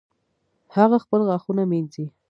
هغه خپل غاښونه مینځي